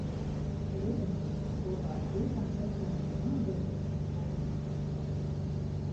Rudenī, kopā ar puikām sastādījām ābelītes un plūmītes.